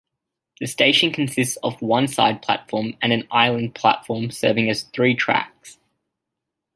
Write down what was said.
The station consists of one side platform and an island platform serving three tracks.